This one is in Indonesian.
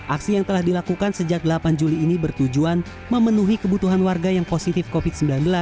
aksi yang telah dilakukan sejak delapan juli ini bertujuan memenuhi kebutuhan warga yang positif covid sembilan belas